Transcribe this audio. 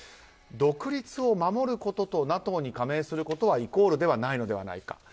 独立を守ることとＮＡＴＯに加盟することはイコールではないのではないか。